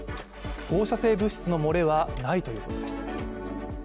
放射性物質の漏れはないということです。